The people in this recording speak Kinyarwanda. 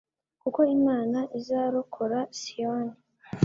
Kuko Imana izarokora Siyoni